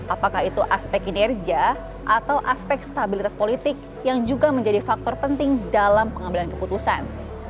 apakah itu aspek kinerja atau aspek stabilitas politik yang juga menjadi faktor penting dalam pengambilan keputusan